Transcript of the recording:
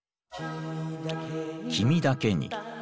「君だけに」。